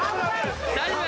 大丈夫？